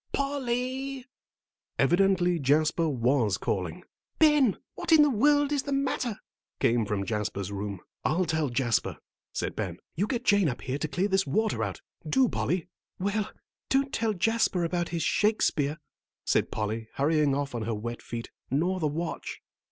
"Pol ly." Evidently Jasper was calling. "Ben, what in the world is the matter?" came from Jasper's room. "I'll tell Jasper," said Ben. "You get Jane up here to clear this water out; do, Polly." "Well, don't tell Jasper about his Shakespeare," said Polly, hurrying off on her wet feet, "nor the watch."